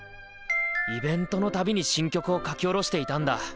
イベントのたびに新曲を書き下ろしていたんだ。